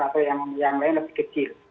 atau yang lain lebih kecil